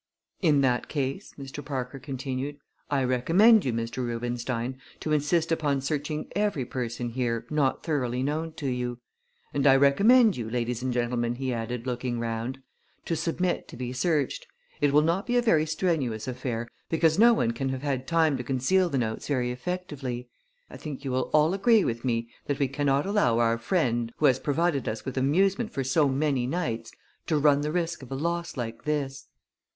"In that case," Mr. Parker continued, "I recommend you, Mr. Rubenstein, to insist upon searching every person here not thoroughly known to you; and I recommend you, ladies and gentlemen," he added, looking round, "to submit to be searched. It will not be a very strenuous affair, because no one can have had time to conceal the notes very effectively. I think you will all agree with me that we cannot allow our friend, who has provided us with amusement for so many nights, to run the risk of a loss like this.